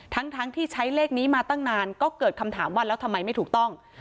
ทั้งที่ใช้เลขนี้มาตั้งนานก็เกิดคำถามว่าแล้วทำไมไม่ถูกต้อง